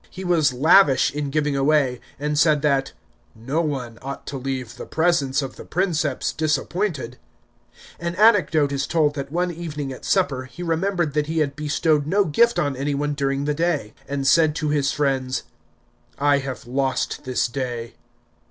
He was lavish in giving away, and said that " no one ought to leave the presence ot the Princeps disappointed." An anecdote is told that one evening at supper he remembered that he had bestowed no gift on anyone during the Titus (from the British Museum). day, and said to his friends, " I have lost this day."